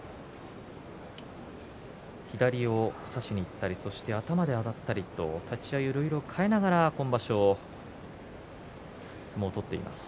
左を差しにいったり頭であたったりと立ち合いをいろいろ変えながら今場所相撲を取っています。